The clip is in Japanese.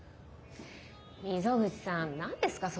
溝口さん何ですか？